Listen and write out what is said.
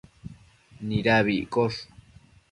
Nidabida iccosh?